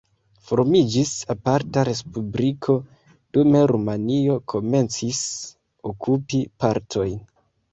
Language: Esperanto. Formiĝis aparta respubliko, dume Rumanio komencis okupi partojn.